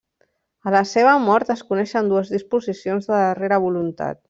A la seva mort, es coneixen dues disposicions de darrera voluntat.